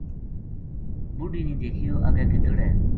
بُڈھی نے دیکھیو اگے گِدڑ ہے